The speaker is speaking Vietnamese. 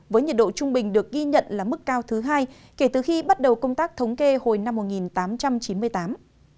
với nhiệt độ trung bình được ghi nhận là mức cao thứ hai kể từ khi bắt đầu công tác thống kê hồi năm một nghìn tám trăm chín mươi tám